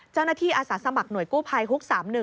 เจ้าหน้าที่อาศัยสมัครหน่วยกู้ภัยฮุก๓๑